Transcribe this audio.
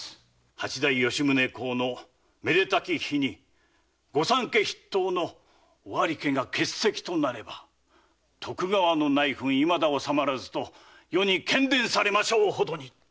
八代・吉宗公のめでたき日に御三家筆頭の尾張家が欠席となれば“徳川の内紛いまだ治まらず”と世に喧伝されましょうほどに。